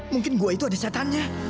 mungkin gua itu ada catatannya